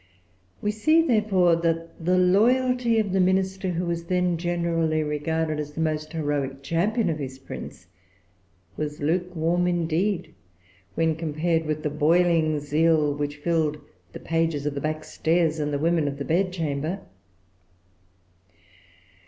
We see, therefore, that the loyalty of the minister, who was then generally regarded as the most heroic champion of his Prince, was lukewarm indeed when compared with the boiling zeal which filled the pages of the backstairs and the women of the bedchamber.